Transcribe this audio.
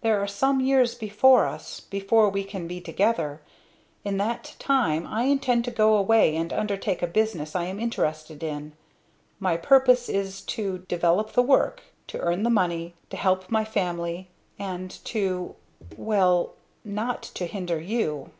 There are some years before us before we can be together. In that time I intend to go away and undertake a business I am interested in. My purpose is to develop the work, to earn money, to help my family, and to well, not to hinder you."